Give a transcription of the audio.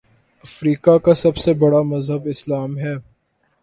افریقہ کا سب سے بڑا مذہب اسلام ہے